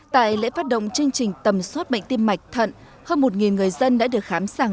tại lễ phát động chương trình tầm soát bệnh tim mạch thận hơn một người dân đã được khám sàng